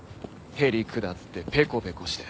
へりくだってペコペコして。